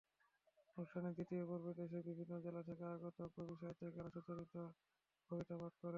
অনুষ্ঠানের দ্বিতীয় পর্বে দেশের বিভিন্ন জেলা থেকে আগত কবি-সাহিত্যিকেরা স্বরচিত কবিতা পাঠ করেন।